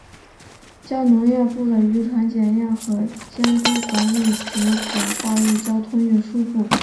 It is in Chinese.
将农业部的渔船检验和监督管理职责划入交通运输部。